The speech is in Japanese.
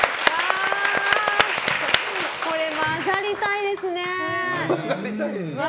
これ、混ざりたいですね。